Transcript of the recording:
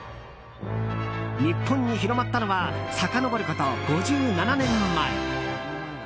日本に広まったのはさかのぼること、５７年前。